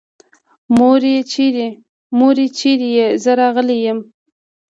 مورې چېرې يې؟ زه راغلی يم.